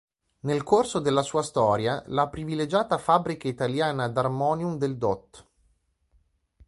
Nel corso della sua storia, la "Privilegiata Fabbrica Italiana d'Armonium del dott.